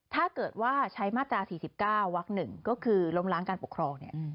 ถ้าเกิดว่าใช้มาตรา๔๙วัก๑ก็คือล้มล้างการปกครองเนี่ย